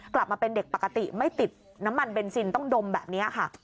กลับมาเป็นเด็กปกติไม่ติดน้ำมันเบนซินต้องดมแบบนี้ค่ะ